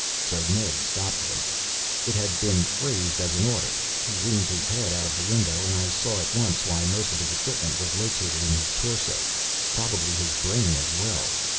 So Ned stopped them. It had been phrased as an order. He leaned his head out of the window and I saw at once why most of his equipment was located in his torso. Probably his brain as well.